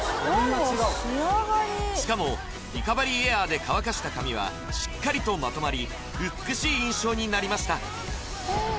しかもリカバリーエアーで乾かした髪はしっかりとまとまり美しい印象になりました